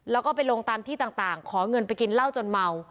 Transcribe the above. แล้วก็ไปลงตามที่ต่างขอเงินไปกินเหล้าจนเมา